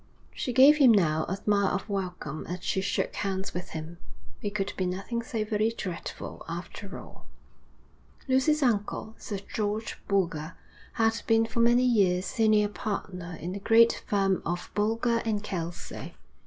She gave him, now, a smile of welcome as she shook hands with him. It could be nothing so very dreadful after all. Lucy's uncle, Sir George Boulger, had been for many years senior partner in the great firm of Boulger & Kelsey.